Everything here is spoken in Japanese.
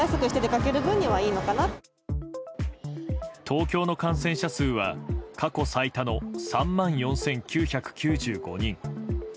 東京の感染者数は過去最多の３万４９９５人。